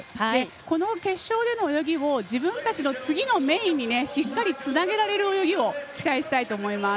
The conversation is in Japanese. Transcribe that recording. この決勝での泳ぎを自分たちの次のメインにしっかりつなげられる泳ぎを期待したいと思います。